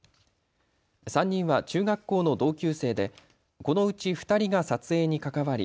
３人は中学校の同級生でこのうち２人が撮影に関わり